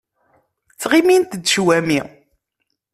Ttɣimint-d cwami.